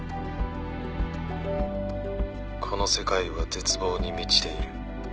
☎この世界は絶望に満ちている